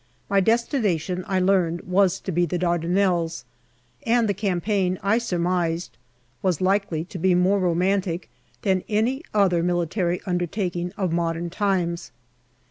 My destination, I learned, was to be the Dardanelles, and the campaign, I surmised, was likely to be more romantic than any other military undertaking of modern times.